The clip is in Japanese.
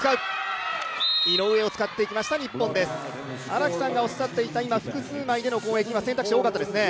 荒木さんがおっしゃっていた複数枚での攻撃、今、選択肢、多かったですね。